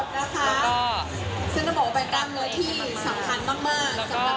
พิจัยสถานีของเรากำหนดที่สำคัญมาก